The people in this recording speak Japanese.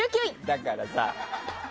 だからさ。